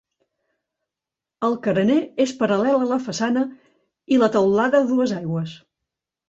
El carener és paral·lel a la façana i la teulada a dues aigües.